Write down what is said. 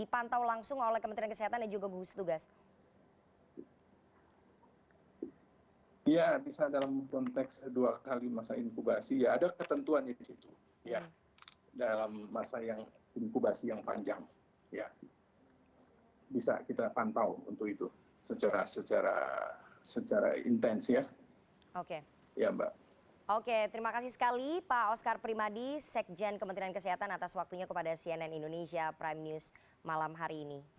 pembatasan sosial berskala besar